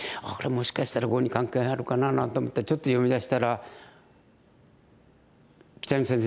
もしかしたら碁に関係あるかななんて思ってちょっと読みだしたら。